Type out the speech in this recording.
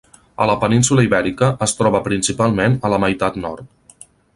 A la península Ibèrica es troba principalment a la meitat nord.